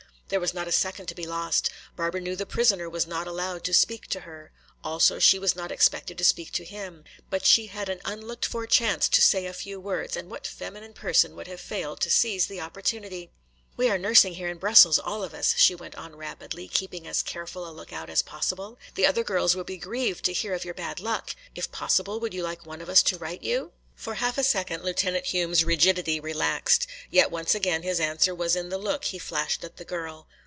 There was not a second to be lost. Barbara knew the prisoner was not allowed to speak to her. Also she was not expected to speak to him. But she had an unlooked for chance to say a few words, and what feminine person would have failed to seize the opportunity! "We are nursing here in Brussels, all of us," she went on rapidly, keeping as careful a lookout as possible. "The other girls will be grieved to hear of your bad luck. If possible, would you like one of us to write you?" For half a second Lieutenant Hume's rigidity relaxed. Yet once again his answer was in the look he flashed at the girl.